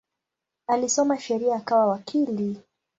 Alisoma sheria akawa wakili.